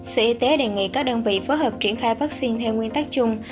sở y tế đề nghị các đơn vị phối hợp triển khai vaccine theo nguyên tắc chung